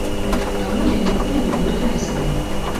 Таму я ніколі не буду вязнем.